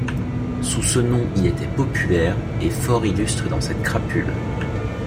Sous ce nom il était populaire, et fort illustre dans cette crapule.